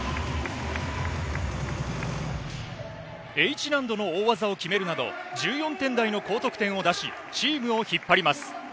Ｈ難度の大技を決めるなど、１４点台の高得点を出し、チームを引っ張ります。